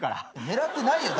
狙ってないよ